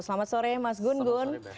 selamat sore mas gun gun